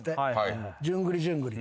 順繰り順繰り。